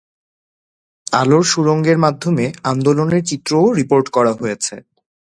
আলোর সুড়ঙ্গের মাধ্যমে আন্দোলনের চিত্রও রিপোর্ট করা হয়েছে।